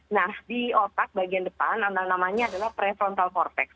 nah di otak bagian depan namanya adalah prefrontal corfect